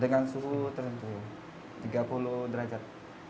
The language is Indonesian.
dengan suhu tertentu tiga puluh derajat